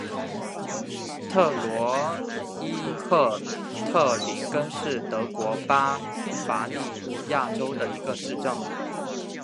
特罗伊赫特林根是德国巴伐利亚州的一个市镇。